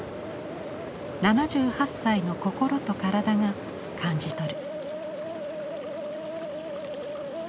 ７８歳の心と体が感じ取る。